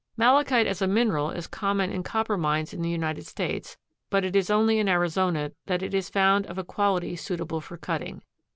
Malachite as a mineral is common in copper mines in the United States but it is only in Arizona that it is found of a quality suitable for cutting.